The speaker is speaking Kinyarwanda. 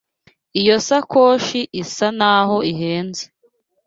Iyo sakoshi isa naho ihenze.